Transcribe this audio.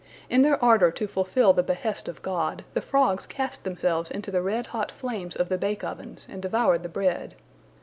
In their ardor to fulfil the behest of God, the frogs cast themselves into the red hot flames of the bake ovens and devoured the bread.